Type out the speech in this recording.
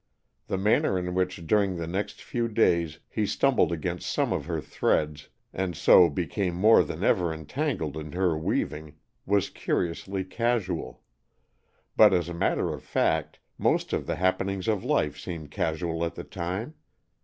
The manner in which during the next few days he stumbled against some of her threads, and so became more than ever entangled in her weaving, was curiously casual, but as a matter of fact, most of the happenings of life seem casual at the time.